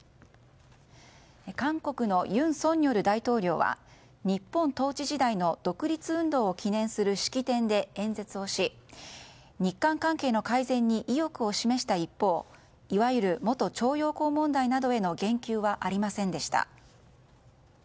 韓国の尹錫悦大統領は日本統治時代の独立運動を記念する式典で演説し日韓関係の改善に意欲を示した一方いわゆる元徴用工問題などへの言及はありませんでした。